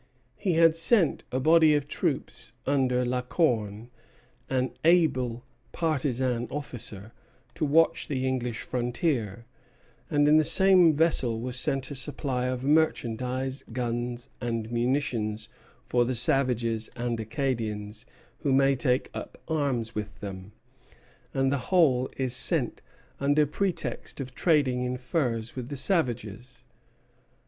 He had sent a body of troops under La Corne, an able partisan officer, to watch the English frontier; and in the same vessel was sent a supply of "merchandise, guns, and munitions for the savages and the Acadians who may take up arms with them; and the whole is sent under pretext of trading in furs with the savages."